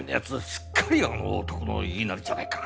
すっかりあの男の言いなりじゃないか。